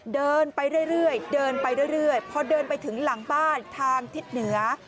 เดินไปเรื่อยพอเดินไปถึงหลังบ้านทางทิ้งเหนือ